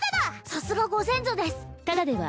さすがご先祖です